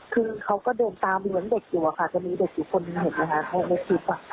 คือเขาก็เดินตามเหมือนเด็กอยู่อะค่ะจะมีเด็กอยู่คนหนึ่งเห็นไหมคะในคลิป